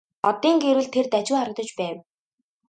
Оддын гэрэлд тэр дажгүй харагдаж байв.